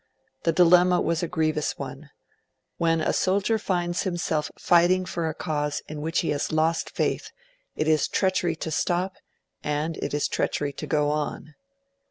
The dilemma was a grievous one: when a soldier finds himself fighting for a cause in which he has lost faith, it is treachery to stop, and it is treachery to go on.